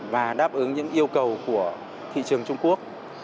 và đáp ứng những yêu cầu của thị trường trung quốc